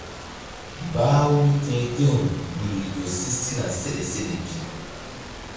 Bah-u mí ti̧h ti̧w duli ƴo si sina seɗe seɗe pi.